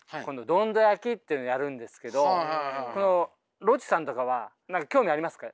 どんど焼きっていうのをやるんですけどこのロッチさんとかは何か興味ありますか？